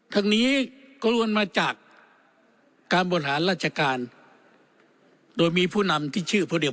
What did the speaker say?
ทั้งนี้ก็รวมมาจากการบมทางราชการโดยมีผู้นำที่ชื่อผู้เดียว